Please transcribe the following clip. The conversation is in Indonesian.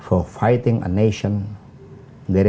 untuk berjuang sebagai negara